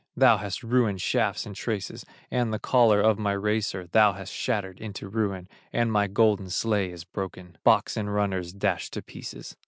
Thou hast ruined shafts and traces; And the collar of my racer Thou hast shattered into ruin, And my golden sleigh is broken, Box and runners dashed to pieces."